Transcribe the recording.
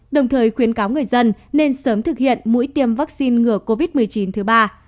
đồng thời khuyến cáo người dân nên sớm thực hiện mũi tiêm vaccine ngừa covid một mươi chín thứ ba